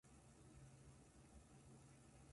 人の第一印象は、たった数秒で決まるって本当かな。